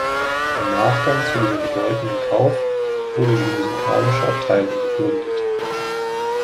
Im Nachgang zu diesem bedeutenden Kauf wurde die Musikalische Abteilung gegründet.